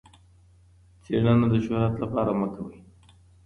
څېړنه د شهرت لپاره مه کوئ.